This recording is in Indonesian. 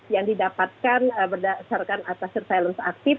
yang didapatkan berdasarkan atas surveillance aktif